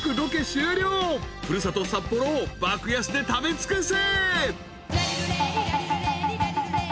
［古里札幌を爆安で食べ尽くせ］